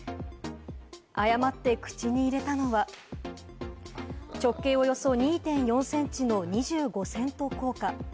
誤って口に入れたのは、直径およそ２．４ｃｍの２５セント硬貨。